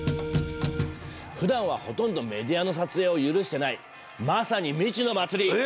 ふだんはほとんどメディアの撮影を許してないまさに未知の祭り！え！